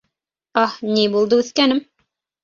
— Аһ, ни булды, үҫкәнем?!